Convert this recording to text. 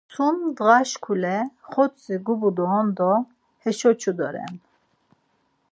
Sum ndağaşkule xortzi gubu doren do heşo çu doren.